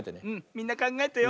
みんなかんがえてよ。